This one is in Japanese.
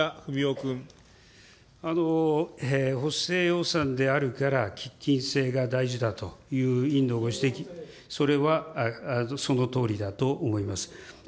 補正予算であるから喫緊性が大事だという委員のご指摘、それはそのとおりだと思います。